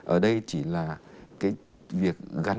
ở đây chỉ là việc gắn